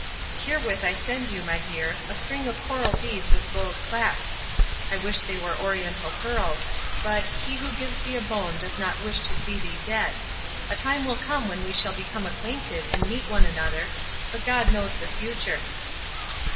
Herewith I send you, my dear, a string of coral beads with gold clasps; I wish they were Oriental pearls; but "he who gives thee a bone does not wish to see thee dead;" a time will come when we shall become acquainted and meet one another, but God knows the future.